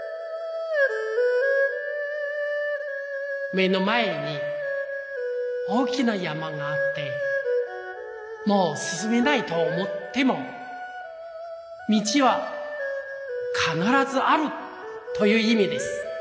目の前に大きな山があってもうすすめないと思っても「道は必ずある」といういみです。